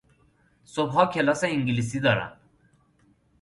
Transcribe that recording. صبحها کلاس انگلیسی دارم.